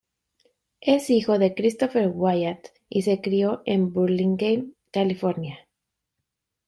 Es hijo de Christopher Wyatt, y se crio en Burlingame, California.